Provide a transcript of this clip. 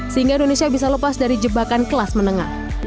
sehingga indonesia bisa lepas dari jebakan kelas menengah